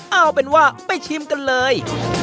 เอาเป็นว่าไปชิมกันเลย